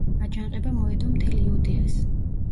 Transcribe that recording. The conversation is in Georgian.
აჯანყება მოედო მთელ იუდეას.